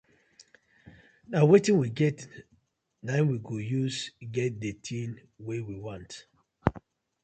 Na wetin we get naim we go use get di tin wey we want.